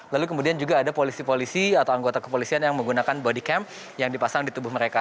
lalu kemudian juga ada polisi polisi atau anggota kepolisian yang menggunakan body camp yang dipasang di tubuh mereka